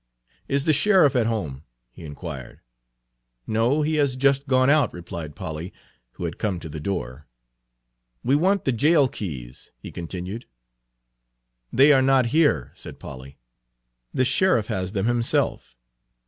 "Is the sheriff at home?" he inquired. "No, he has just gone out," replied Polly, who had come to the door. "We want the jail keys," he continued. "They are not here," said Polly. "The sheriff has them himself."